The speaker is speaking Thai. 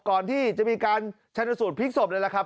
ก่อนที่จะมีการชนสูตรพลิกศพเลยล่ะครับ